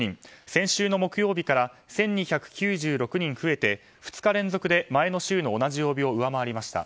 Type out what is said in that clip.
先週の木曜日から１２９６人増えて２日連続で前の週の同じ曜日を上回りました。